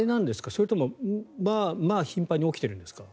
それともまあまあ頻繁に起きているんですか？